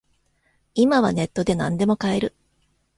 今はネットでなんでも買える